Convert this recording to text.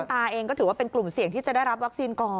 ตาเองก็ถือว่าเป็นกลุ่มเสี่ยงที่จะได้รับวัคซีนก่อน